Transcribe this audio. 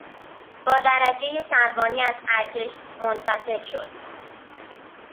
با درجهی سروانی از ارتش منفصل شد.